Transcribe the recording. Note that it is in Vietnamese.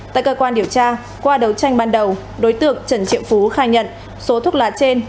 tại cơ quan điều tra qua đấu tranh ban đầu đối tượng trần triệu phú khai nhận số thuốc lá trên